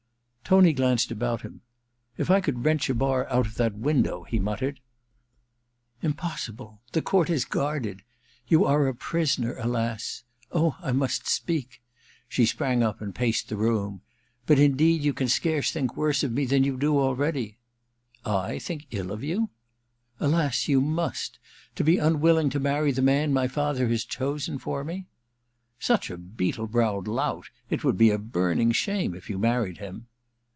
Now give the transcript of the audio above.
Tony glanced about him. * If I could wrench a bar out of that window ' he muttered. * Impossible ! The court is guarded. You are a prisoner, alas. — Oh, I must speak !* She sprang up and paced the room. *But indeed you can scarce think worse of me than you do already '' I think ill of you ?Alas, you must ! To be unwilling to marry the man my father has chosen for me '* Such a beetle browed lout ! It would be a burning shame if you married him.'